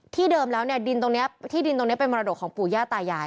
เดิมแล้วเนี่ยดินตรงนี้ที่ดินตรงนี้เป็นมรดกของปู่ย่าตายาย